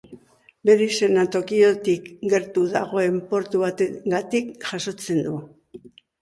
Bere izena Tokiotik gertu dagoen portu bategatik jasotzen du.